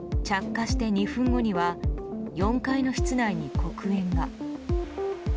着火して２分後には４階の室内に黒煙が。